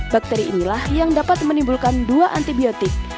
bakteri inilah yang dapat menimbulkan dua antibiotik